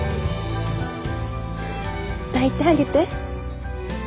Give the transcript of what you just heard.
抱いてあげて。